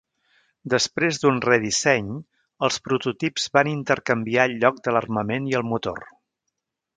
Després d'un redisseny els prototips van intercanviar el lloc de l'armament i el motor.